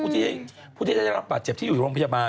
ผู้ที่ได้รับบาดเจ็บที่อยู่โรงพยาบาล